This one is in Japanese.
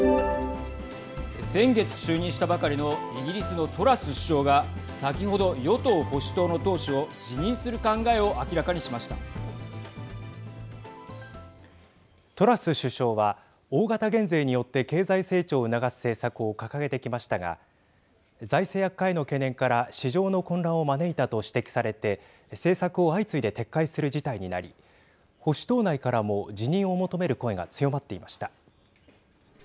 先月就任したばかりのイギリスのトラス首相が先ほど、与党・保守党の党首を辞任する考えをトラス首相は大型減税によって経済成長を促す政策を掲げてきましたが財政悪化への懸念から市場の混乱を招いたと指摘されて政策を相次いで撤回する事態になり保守党内からも辞任を求める声が強まっていました。